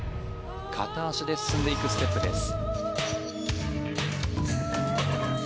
片足で進んでいくステップです。